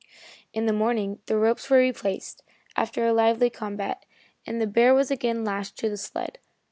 In the morning the ropes were replaced, after a lively combat, and the bear was again lashed to the sled.